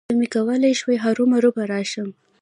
که مې کولای شول، هرومرو به راشم.